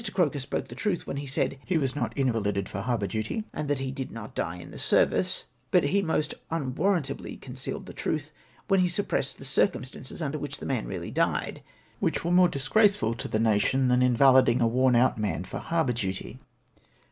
Croker spoke truth when he said he "was not invalided for harbour duty, and that he did not die in the ser vice ;" but he most unwarrantably concealed truth wlien he suppressed the circumstances under which the man really died, Avhich w^ere more disgraceful to the nation tlian invaliding a worn out man for harl)Our duty.